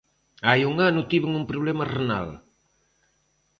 Hai un ano tiven un problema renal.